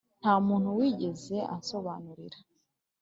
nta muntu wigeze ansobanurira